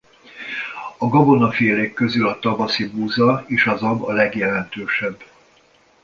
A gabonafélék közül a tavaszi búza és a zab a legjelentősebb.